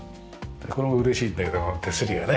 これも嬉しいんだけども手すりがね。